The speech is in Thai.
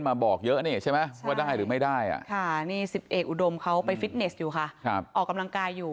อย่างนี้ผมก็เลยถามค้าวิทย์เห็นลองโพสต์ดู